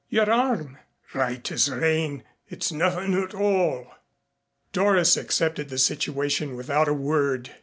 "Your arm?" "Right as rain. It's nothing at all." Doris accepted the situation without a word.